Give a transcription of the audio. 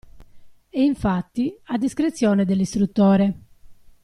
È, infatti, a discrezione dell'istruttore.